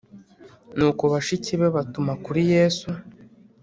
Nuko bashiki be batuma kuri Yesu